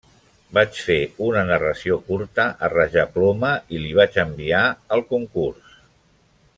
Vaig fer una narració curta a rajaploma i la vaig enviar al concurs.